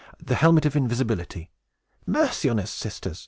the helmet of invisibility." "Mercy on us, sisters!